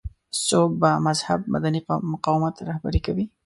څوک به مهذب مدني مقاومت رهبري کوي.